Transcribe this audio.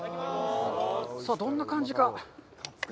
さあ、どんな感じか。